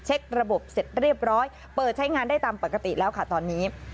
ระบบเสร็จเรียบร้อยเปิดใช้งานได้ตามปกติแล้วค่ะตอนนี้